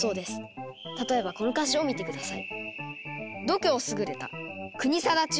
例えばこの歌詞を見て下さい。